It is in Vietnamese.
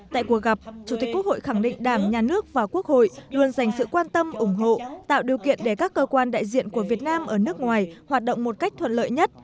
tại cuộc gặp chủ tịch quốc hội khẳng định đảng nhà nước và quốc hội luôn dành sự quan tâm ủng hộ tạo điều kiện để các cơ quan đại diện của việt nam ở nước ngoài hoạt động một cách thuận lợi nhất